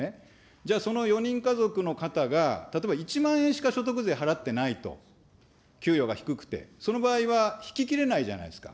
じゃあ、その４人家族の方が、例えば、１万円しか所得税払ってないと、給与が低くて、その場合は引ききれないじゃないですか。